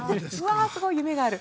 すごい、夢がある。